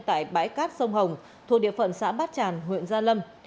tại bãi cát sông hồng thuộc địa phận xã bát tràn huyện gia lâm